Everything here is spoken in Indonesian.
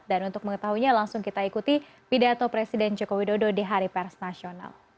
dan untuk mengetahunya langsung kita ikuti pidato presiden joko widodo di hari pers nasional